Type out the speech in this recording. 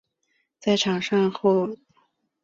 在场上的位置是右后卫。